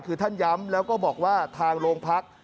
คือท่านย้ำแล้วก็บอกว่าทางโรงพัก